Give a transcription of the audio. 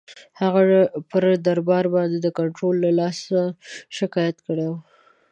هغه پر دربار باندي د کنټرول له لاسه شکایت کړی وو.